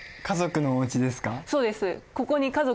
そうです。